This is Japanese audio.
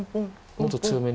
もっと強めに。